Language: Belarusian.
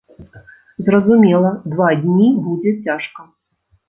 Зразумела, два дні будзе цяжка.